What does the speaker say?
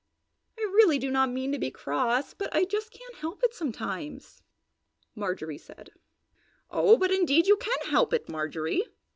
"I really do not mean to be cross, but I just can't help it sometimes!" Marjorie said. "Oh, but indeed you can help it, Marjorie!"